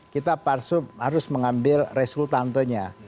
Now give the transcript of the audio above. kita harus mengambil resultantenya